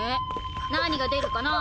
何が出るかなぁ？